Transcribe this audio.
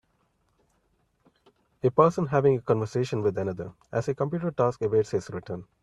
A person having a conversation with another, as a computer task awaits his return.